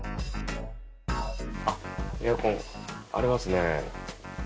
エアコンありますね。